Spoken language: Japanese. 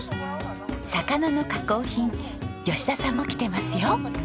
魚の加工品吉田さんも来てますよ。